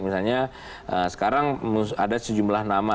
misalnya sekarang ada sejumlah nama